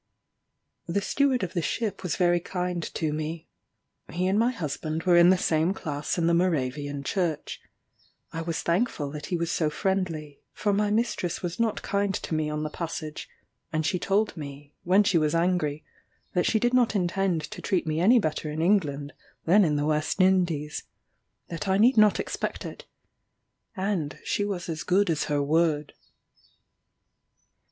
The steward of the ship was very kind to me. He and my husband were in the same class in the Moravian Church. I was thankful that he was so friendly, for my mistress was not kind to me on the passage; and she told me, when she was angry, that she did not intend to treat me any better in England than in the West Indies that I need not expect it. And she was as good as her word.